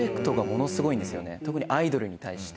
特にアイドルに対して。